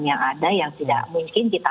yang ada yang tidak mungkin kita